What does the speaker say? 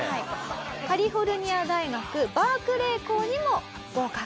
カリフォルニア大学バークレー校にも合格。